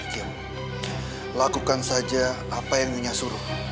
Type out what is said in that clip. kim lakukan saja apa yang nga suruh